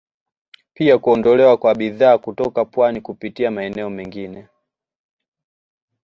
Pia kuondolewa kwa bidhaa kutoka pwani kupitia maeneo mengine